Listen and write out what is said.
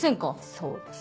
そうです。